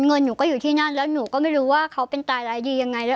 หนูก็อยู่ที่นั่นแล้วหนูก็ไม่รู้ว่าเขาเป็นตายร้ายดียังไงด้วย